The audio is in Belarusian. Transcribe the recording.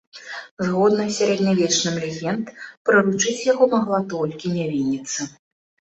Згодна з сярэднявечным легенд, прыручыць яго магла толькі нявінніца.